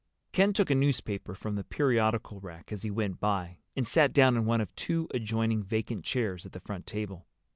Ken took a newspaper from the periodical rack as he went by, and sat down in one of two adjoining vacant chairs at the front table.